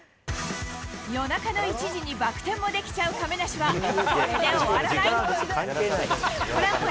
夜中の１時にバク転もできちゃう亀梨は、これで終わらない。